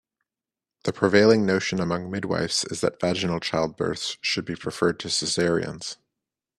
The prevailing notion among midwifes is that vaginal childbirths should be preferred to cesareans.